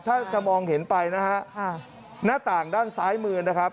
ถ้าจะมองเห็นไปนะฮะค่ะหน้าต่างด้านซ้ายมือนะครับ